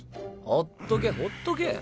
放っとけ放っとけ。